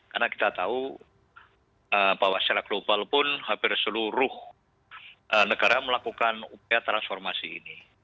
karena kita tahu bahwa secara global pun hampir seluruh negara melakukan upaya transformasi ini